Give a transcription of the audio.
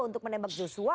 untuk menembak joshua